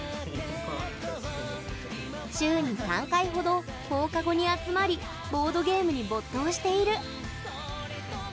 週に３回程、放課後に集まりボードゲームに没頭している。